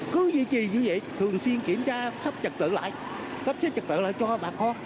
cứ duy trì như vậy thường xuyên kiểm tra sắp trật tự lại sắp xếp trật tự lại cho bà con